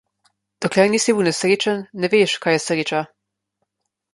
Dokler nisi bil nesrečen, ne veš, kaj je sreča.